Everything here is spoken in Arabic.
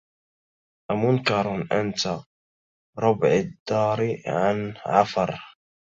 أمنكر أنت ربع الدار عن عفر